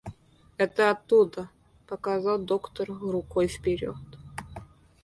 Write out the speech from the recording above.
— Это оттуда, — показал доктор рукой вперед.